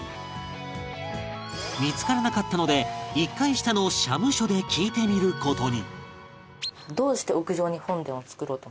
見付からなかったので１階下の社務所で聞いてみる事に